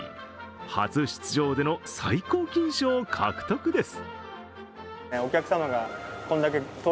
初出場での最高金賞獲得です。